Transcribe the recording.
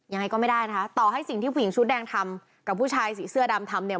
ยังไงก็ไม่ได้นะคะต่อให้สิ่งที่ผู้หญิงชุดแดงทำกับผู้ชายสีเสื้อดำทำเนี่ย